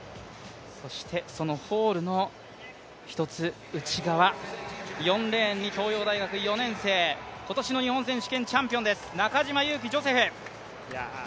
そしてそのホールの一つ内側４レーンに東洋大学４年生今年の日本選手権チャンピオンです中島佑気ジョセフ。